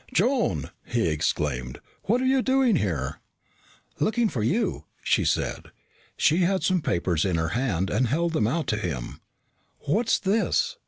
"Joan!" he exclaimed. "What are you doing here?" "Looking for you," she said. She had some papers in her hand and held them out to him. "What's this?"